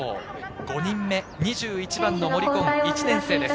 ５人目、２１番の森紺・１年生です。